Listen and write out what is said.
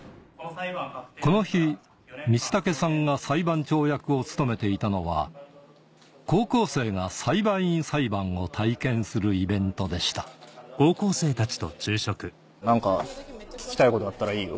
この日光武さんが裁判長役を務めていたのは高校生が裁判員裁判を体験するイベントでした何か聞きたいことあったらいいよ